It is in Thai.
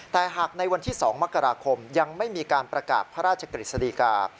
แต่หากในวันที่๒มกราคมยังไม่มีการประกาศพระราชกฤษฎีกา